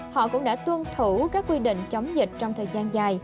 hữu các quy định chống dịch trong thời gian dài